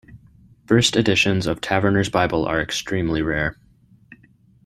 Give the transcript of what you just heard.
First editions of Taverner's Bible are extremely rare.